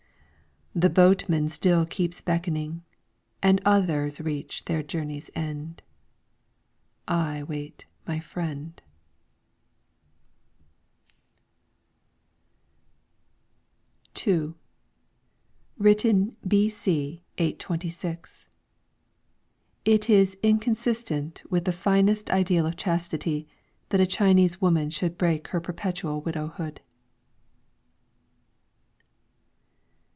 The boatman still keeps beckoning, And others reach their journey's end. I wait my friend. LYRICS FROM THE CHINESE II Written b.c. 826. It is inconsistent with the finest ideal of chastity that a Chinese woman should break her perpetual widowhood.